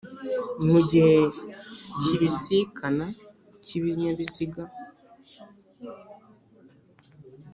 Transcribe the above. mugihe kibisikana cy' ibinyabiziga